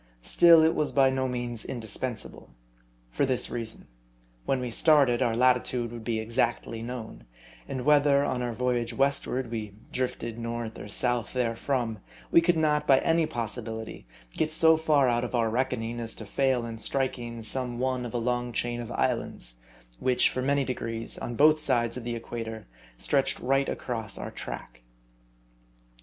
Still, it was by no means indispensable. . For this reason. When we started, our latitude would be exactly known ; and whether, on our voyage westward, we drifted north or south therefrom, we could not, by any possibility, get so far out of our reckoning, as to fail in striking some one of a long chain of islands, which, for many degrees, on both sides of the equator, stretched right across our track.